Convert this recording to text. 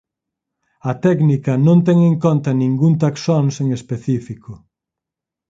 A técnica non ten en conta ningún taxons en específico.